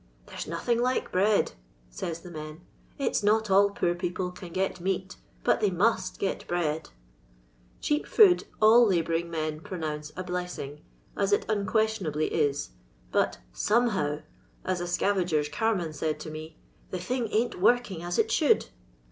" There 's nothing like bread," say the men, " it *s not all poor people can get meat; but they mutt get bread." Cheap food nil hibouring men pronounce a blessing, as it unquestionably is, but " some how," as a scavager's carman said to me, " the thing ain't working as it should."